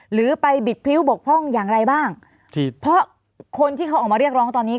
หรือไปบิดพริ้วบกพร่องอย่างไรบ้างเพราะคนที่เขาออกมาเรียกร้องตอนนี้